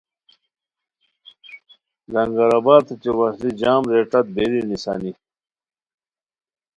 لنگر آباد اوچے وشلی جام رے ݯت بیری نیسانی